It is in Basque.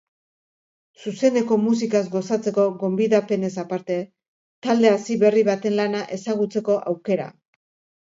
Zuzeneko musikaz gozatzeko gonbidapenez aparte, talde hasi berri baten lana ezagutzeko aukera.